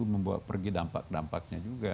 membawa pergi dampak dampaknya juga